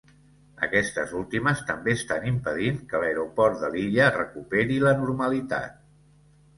Aquestes últimes també estan impedint que l’aeroport de l’illa recuperi la normalitat.